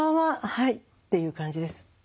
はい」っていう感じです。